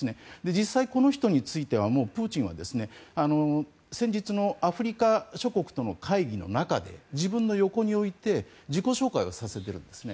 実際、この人についてはプーチンは先日のアフリカ諸国との会議の中で自分の横に置いて自己紹介させているんですね。